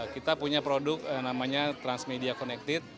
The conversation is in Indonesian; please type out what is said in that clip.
kita punya produk namanya transmedia connected